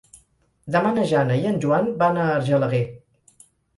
Demà na Jana i en Joan van a Argelaguer.